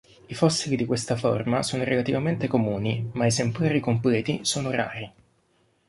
I fossili di questa forma sono relativamente comuni, ma esemplari completi sono rari.